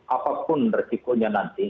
apapun retikunya nanti